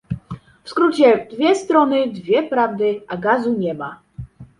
W skrócie - dwie strony, dwie prawdy, a gazu nie ma